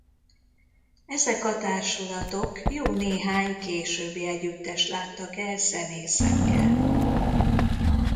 Ezek a társulatok jó néhány későbbi együttest láttak el zenészekkel.